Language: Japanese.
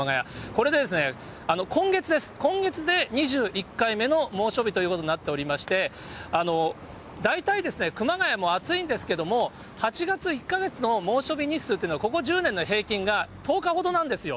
これで今月です、今月で２１回目の猛暑日ということになっておりまして、大体、熊谷も暑いんですけども、８月１か月の猛暑日日数っていうのは、ここ１０年の平均が１０日ほどなんですよ。